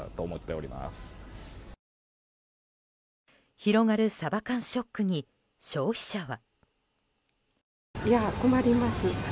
広がるサバ缶ショックに消費者は。